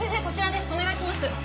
こちらです。